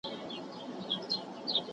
ښځه او سړی په ګډه د سړک بل لور ته لاړل.